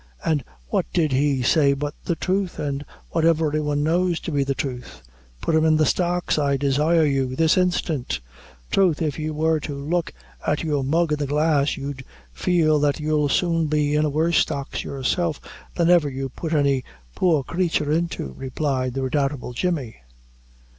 An' what did he say but the thruth, an' what every one knows to be the thruth?" "Put him in the stocks, I desire you, this instant!" "Throth if you wor to look at your mug in the glass, you'd feel that you'll soon be in a worse stocks yourself than ever you put any poor craythur into," replied the redoubtable Jemmy.